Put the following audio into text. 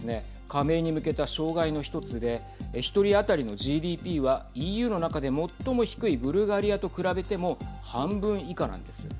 加盟に向けた障害の１つで１人当たりのＧＤＰはＥＵの中で最も低いブルガリアと比べても半分以下なんです。